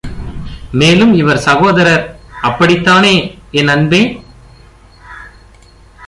மேலும் இவர் சகோதரர், அப்படித்தானே, என் அன்பே?